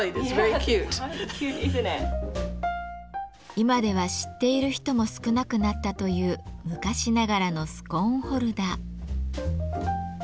今では知っている人も少なくなったという昔ながらのスコーンホルダー。